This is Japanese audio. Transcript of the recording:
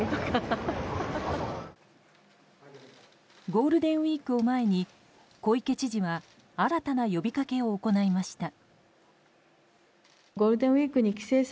ゴールデンウィークを前に小池知事は新たな呼びかけを行いました。